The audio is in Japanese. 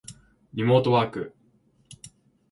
リモートワーク